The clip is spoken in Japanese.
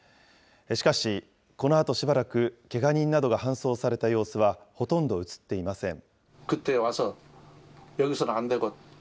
しかし、このあとしばらくけが人などが搬送された様子はほとんど写っていません。